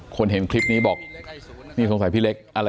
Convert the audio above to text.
คนเห็นคลิปนี้สงสัยว่าคุณเล็กไอศูนย์หรอ